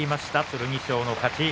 剣翔の勝ち。